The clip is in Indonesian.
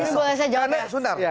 ini boleh saya jawab ya